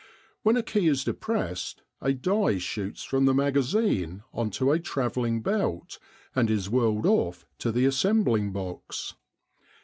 When a key is depressed a die shoots from the magazine on to a travelling belt and is whirled off to the assembling box.